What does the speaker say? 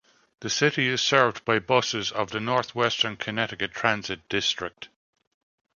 The city is served by buses of the Northwestern Connecticut Transit District.